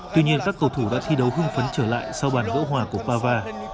tuy nhiên các cầu thủ đã thi đấu hưng phấn trở lại sau bàn gỡ hỏa của pava